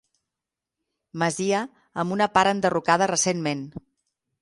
Masia amb una part enderrocada recentment.